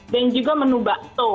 dan juga menu bakso